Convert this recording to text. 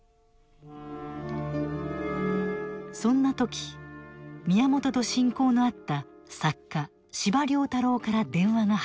そんな時宮本と親交のあった作家・司馬太郎から電話が入る。